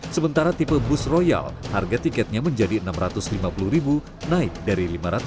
sementara tipe bus royal harga tiketnya menjadi rp enam ratus lima puluh naik dari lima ratus